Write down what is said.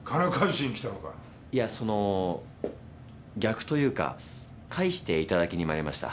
いやその逆というか返していただきにまいりました。